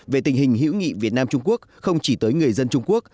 về tình hình hữu nghị việt nam trung quốc không chỉ tới người dân trung quốc